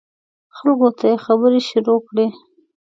خلکو ته یې خبرې شروع کړې.